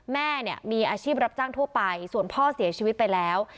แม่เนี่ยมีอาชีพรับจ้างทั่วไปส่วนพ่อเสียชีวิตไปแล้ว